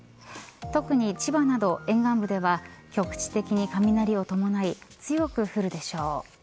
特に千葉など沿岸部では局地的に雷を伴い強く降るでしょう。